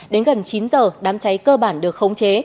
đến gần chín giờ đám cháy cơ bản được khống chế